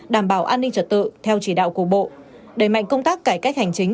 đảm bảo an ninh trật tự theo chỉ đạo của bộ đẩy mạnh công tác cải cách hành chính